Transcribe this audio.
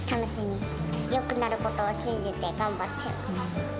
よくなることを信じて頑張ってる。